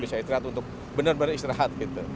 bisa istirahat untuk benar benar istirahat